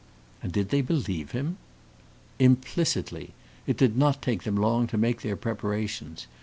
"And did they believe him?" "Implicitly. It did not take them long to make their preparations.